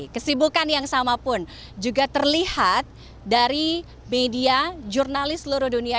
kesibukan yang sama pun juga terlihat dari media jurnalis seluruh dunia